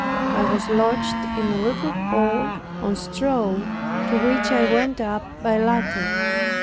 I was lodged in a little hole on straw, to which I went up by ladder.